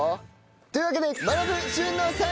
というわけで。